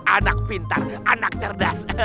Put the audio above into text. anak pintar anak cerdas